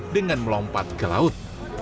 dengan melompat ke laut